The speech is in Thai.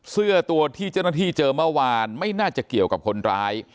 เสื้อตัวที่เจ้าหน้าที่เจอเมื่อวานไม่น่าจะเกี่ยวกับคนร้าย